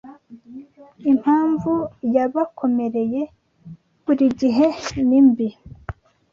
Impamvu yabakomereye burigihe nimbi